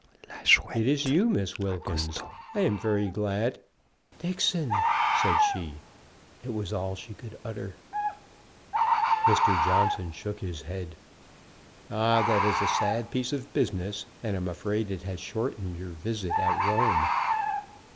"It is you, Miss Wilkins! I am very glad " "Dixon!" said she. It was all she could utter. Mr. Johnson shook his head. "Ah; that's a sad piece of business, and I'm afraid it has shortened your visit at Rome."